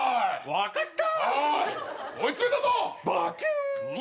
分かった。